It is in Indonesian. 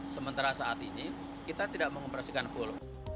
sementara saat ini kita tidak mengoperasikan full